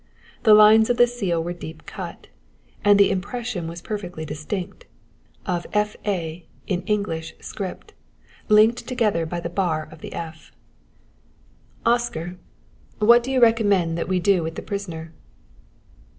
The lines of the seal were deep cut, and the impression was perfectly distinct, of F.A. in English script, linked together by the bar of the F. "Oscar, what do you recommend that we do with the prisoner?"